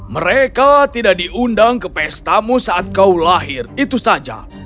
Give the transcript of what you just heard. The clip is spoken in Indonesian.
mereka tidak diundang ke pestamu saat kau lahir itu saja